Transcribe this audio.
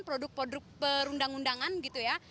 produk produk perundang undangan gitu ya